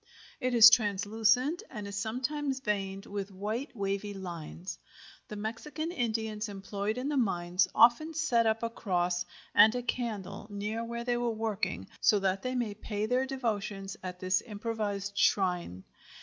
It is translucent and is sometimes veined with white wavy lines. The Mexican Indians employed in the mines often set up a cross and a candle near where they are working, so that they may pay their devotions at this improvised shrine.